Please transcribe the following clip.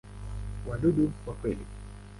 Wadudu wa kweli.